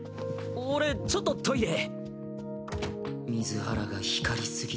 俺ちょっとトイレ。